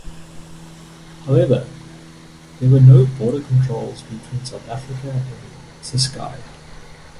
However, there were no border controls between South Africa and Ciskei.